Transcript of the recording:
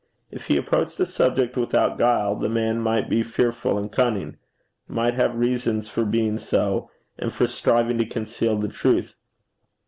If he approached the subject without guile, the man might be fearful and cunning might have reasons for being so, and for striving to conceal the truth.